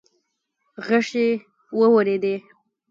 غشې وورېدې.